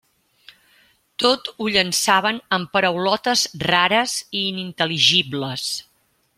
Tot ho llançaven amb paraulotes rares i inintel·ligibles.